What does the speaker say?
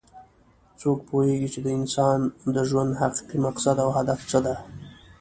څوک پوهیږي چې د انسان د ژوند حقیقي مقصد او هدف څه ده